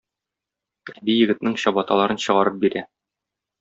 Әби егетнең чабаталарын чыгарып бирә.